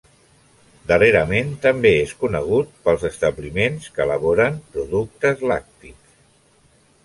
Darrerament també és conegut pels establiments que elaboren productes làctics.